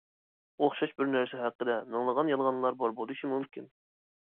ئوخشاش بىر نەرسە ھەققىدە مىڭلىغان يالغانلار بار بولۇشى مۇمكىن.